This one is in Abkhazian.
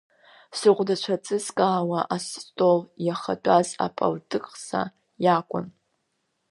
Сыхәдацәа ҵызкаауаз, астол иахатәаз апалтыҟса иакәын.